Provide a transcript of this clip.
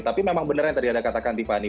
tapi memang bener yang tadi ada katakan tiffany